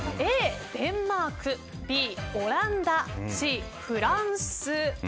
Ａ、デンマーク、Ｂ、オランダＣ、フランス。